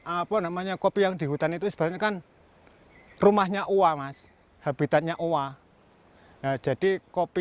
apa namanya kopi yang dihutan itu sebanyak kan rumahnya uang habitatnya owa jadi kopi